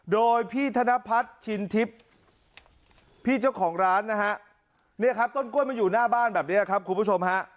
โดยพี่ธนพัฒน์ชินทิพย์พี่เจ้าของร้านนะฮะเนี่ยครับต้นกล้วยมันอยู่หน้าบ้านแบบนี้ครับคุณผู้ชมฮะ